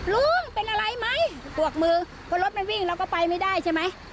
ลุงเป็นอะไรไหมปวกมือเพราะรถมันวิ่งเราก็ไปไม่ได้ใช่ไหม